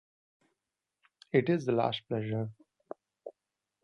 It is the last pleasure.